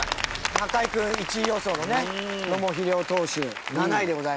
中居君１位予想のね野茂英雄投手７位でございましたけど。